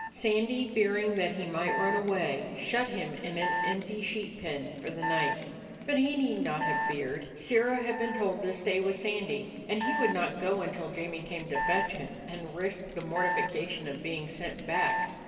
Sandy, fearing that he might run away, shut him in an empty sheep pen for the night. But he need not have feared. Sirrah had been told to stay with Sandy, and he would not go until Jamie came to fetch him, and risk the mortification of being sent back.